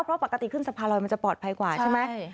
เพราะปกติขึ้นสะพานลอยมันจะปลอดภัยกว่าใช่ไหม